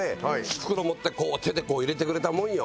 袋持って手でこう入れてくれたもんよ。